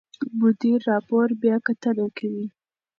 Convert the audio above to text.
مدیر راپور بیاکتنه کوي.